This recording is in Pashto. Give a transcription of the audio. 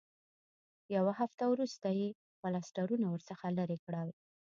یوه هفته وروسته یې پلاسټرونه ورڅخه لرې کړل.